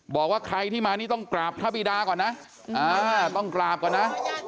บอกว่าใครที่มานี่ต้องกราบพระบิดาก่อนนะต้องกราบก่อนนะ